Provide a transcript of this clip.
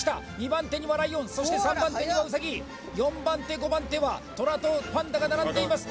２番手にはライオンそして３番手にはウサギ４番手５番手はトラとパンダが並んでいます